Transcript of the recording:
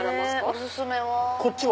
お薦めは？